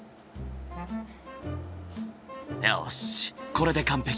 よしこれで完璧。